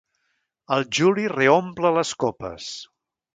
El Juli reomple les copes.